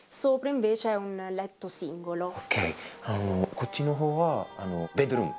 こっちのほうはベッドルーム。